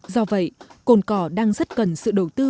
do vậy cồn cỏ đang rất cần sự đầu tư